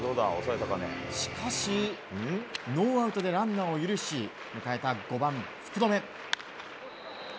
しかしノーアウトでランナーを許し迎えた５番、福留。